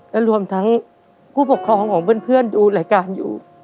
และรวมทั้งผู้ปกครองของเพื่อนดูรายการอยู่